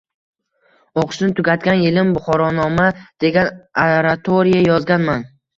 O’qishni tugatgan yilim “Buxoronoma” degan oratoriya yozganman.